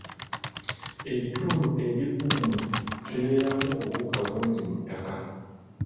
Ebitundu eby'ebbugumu bibeeramu obuwuka bungi mu ttaka